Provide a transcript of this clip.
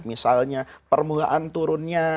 misalnya permulaan turunnya